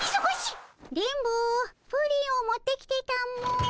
電ボプリンを持ってきてたも。